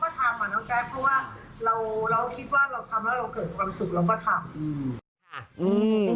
เพราะว่าเราคิดว่าเราทำแล้วเราเกิดความสุขแล้วก็ทำ